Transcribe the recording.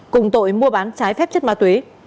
cùng tội mua bán trái phép chất ma túy